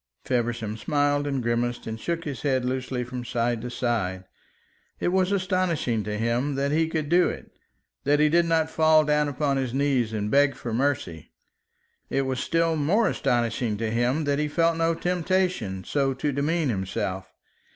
Feversham smiled and grimaced, and shook his head loosely from side to side. It was astonishing to him that he could do it, that he did not fall down upon his knees and beg for mercy. It was still more astonishing to him that he felt no temptation so to demean himself.